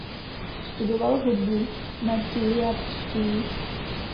Studoval hudbu na Juilliard School.